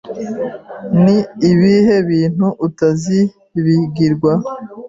Ni ibihe bintu utazibigirwa